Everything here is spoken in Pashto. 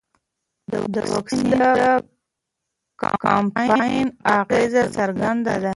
د واکسین د کمپاین اغېز څرګند دی.